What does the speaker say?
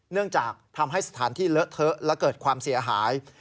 เนื่องจากทำให้สถานที่เลอะเทอะและเกิดความเสียหาย